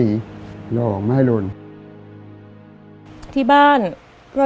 มันต้องการแล้วแล้วก็หายให้มัน